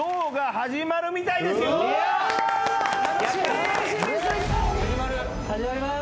始まりまーす。